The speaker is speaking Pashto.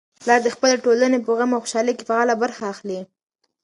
پلار د خپلې ټولنې په غم او خوشالۍ کي فعاله برخه اخلي.